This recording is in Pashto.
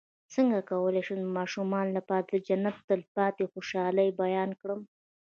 څنګه کولی شم د ماشومانو لپاره د جنت د تل پاتې خوشحالۍ بیان کړم